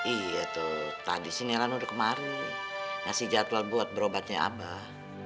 iya tuh tadi si nilan udah kemari ngasih jadwal buat berobatnya abah